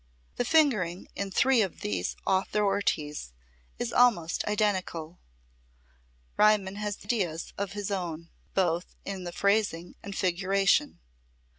The fingering in three of these authorities is almost identical. Riemann has ideas of his own, both in the phrasing and figuration.